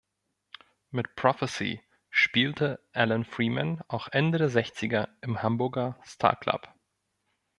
Mit "Prophecy" spielte Allan Freeman auch Ende der Sechziger im Hamburger "Star-Club".